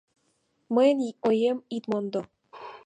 Мыйын оем ит мондо!